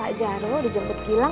pak jaro udah jemput gila